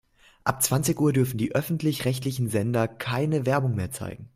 Ab zwanzig Uhr dürfen die öffentlich-rechtlichen Sender keine Werbung mehr zeigen.